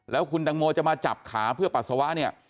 แล้วคุณตังโมจะมาจับขาเพื่อปัสสาวะเนี่ย